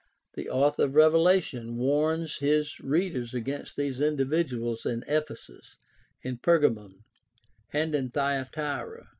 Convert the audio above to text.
The author of Revelation warns his readers against these individuals in Ephesus, in Pergamum, and in Thyatira.